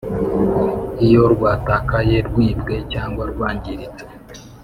Iyo rw`Atakaye, rwibwe cyangwa rwangiritse,